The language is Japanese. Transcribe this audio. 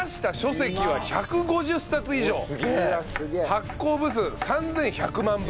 発行部数３１００万部。